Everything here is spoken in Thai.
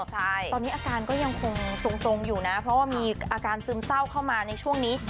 ตอนนี้อาการก็ยังคงทรงอยู่นะเพราะว่ามีอาการซึมเศร้าเข้ามาในช่วงนี้